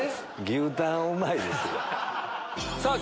「牛タンうまいです」や。